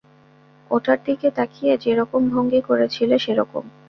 ওটার দিকে তাকিয়ে যেরকম ভঙ্গি করেছিলে সেরকম।